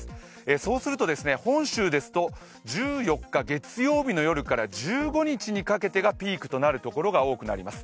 そうすると本州ですと１４日月曜日の夜から１５日にかけてがピークとなるところが多くなります。